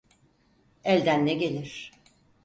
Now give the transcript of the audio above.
Elden ne gelir?